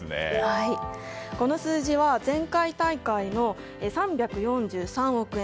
この数字は前回大会の３４３億円